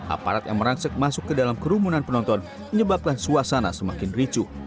aparat yang merangsek masuk ke dalam kerumunan penonton menyebabkan suasana semakin ricu